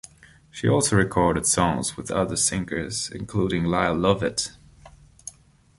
She also recorded songs with other singers, including Lyle Lovett.